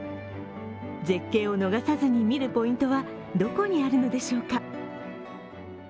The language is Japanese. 絶景を逃さずに見るポイントはどこにあるのでしょうか。